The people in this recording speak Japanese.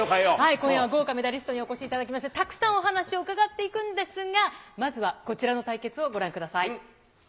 今夜は豪華メダリストにお越しいただきまして、たくさんお話を伺っていくんですが、まずはこちらの対決をご覧ください。